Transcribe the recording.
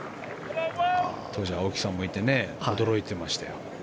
当時は青木さんもいて驚いていましたよ。